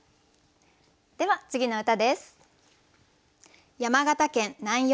では次の歌です。